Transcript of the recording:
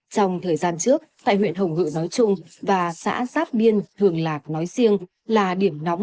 trong thời gian trước tại huyện hồng ngự nói chung và xã giáp biên hường lạc nói riêng là điểm nóng